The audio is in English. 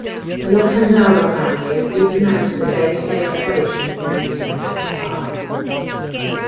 The Lokhandwala family agreed to manage the day-to-day operations and maintenance of the park.